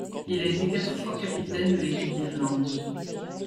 Il a été quatre fois capitaine de l'équipe d'Irlande.